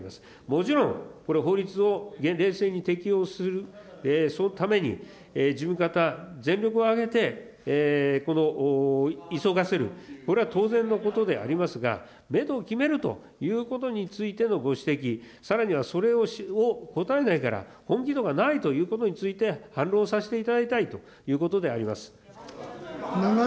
もちろん、これ、法律を厳正に適用する、そのために事務方、全力を挙げて、急がせる、これは当然のことでありますが、メドを決めるということについてのご指摘、さらにはそれを答えないから本気度がないということについて、反論させていただきたいということであります。